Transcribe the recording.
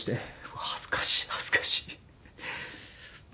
うわ恥ずかしい恥ずかしい。